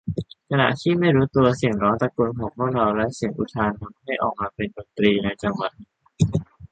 ขณะที่ไม่รู้ตัว เสียงร้องตะโกนของพวกเรา และเสียงร้องอุทาน ทำให้ออกมาเป็นดนตรีในจังหวะนี้